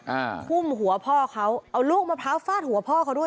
อ่าหุ้มหัวพ่อเขาเอาลูกมะพร้าวฟาดหัวพ่อเขาด้วย